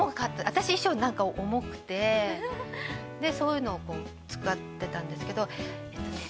私衣装何か重くてでそういうのを使ってたんですけどえっとね